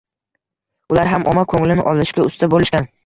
Ular ham omma ko`nglini olishga usta bo`lishgan